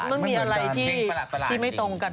เพราะฉะนั้นมันมีอะไรที่ไม่ตรงกัน